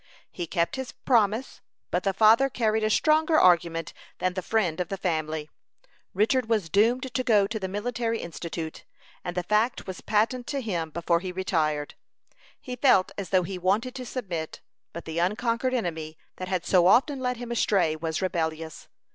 He kept his promise, but the father carried a stronger argument than the friend of the family. Richard was doomed to go to the Military Institute, and the fact was patent to him before he retired. He felt as though he wanted to submit, but the unconquered enemy that had so often led him astray was rebellious.